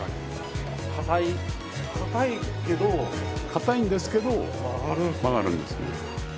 硬いんですけど曲がるんですね